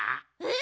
え？